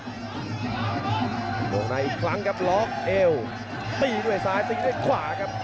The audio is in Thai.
วงในอีกครั้งครับล็อกเอวตีด้วยซ้ายตีด้วยขวาครับ